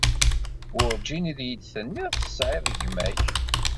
Werǧin i yi-d-tenniḍ tesɛiḍ gma-k.